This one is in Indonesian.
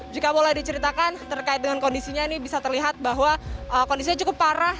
jika boleh diceritakan terkait dengan kondisinya ini bisa terlihat bahwa kondisinya cukup parah